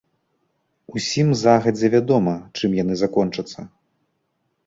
Усім загадзя вядома, чым яны закончацца.